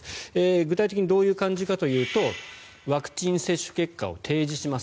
具体的にどういう感じかというとワクチン接種結果を提示します